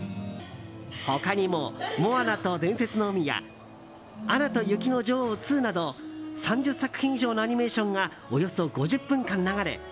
他にも「モアナと伝説の海」や「アナと雪の女王２」など３０作品以上のアニメーションがおよそ５０分間流れ